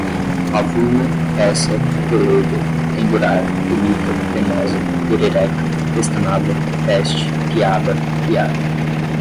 pavuna, peça, pelêga, pendurar, penita, penosa, perereca, pestanada, peste, piaba, piar